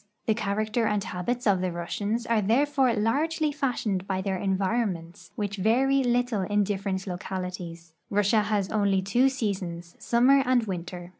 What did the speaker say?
The char acter and habits of the Russians are therefore largely fashioned by their environments, which vary little in different localities. Russia has only two seasons, summer and winter.